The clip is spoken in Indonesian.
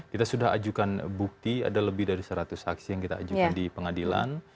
kita sudah ajukan bukti ada lebih dari seratus saksi yang kita ajukan di pengadilan